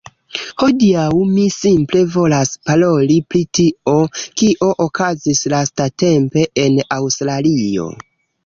Hodiaŭ mi simple volas paroli pri tio, kio okazis lastatempe en Aŭstralio